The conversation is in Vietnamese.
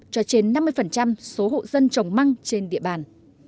cho trên năm mươi số hộ dân trồng măng trên địa bàn